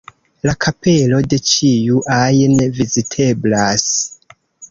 La kapelo de ĉiu ajn viziteblas.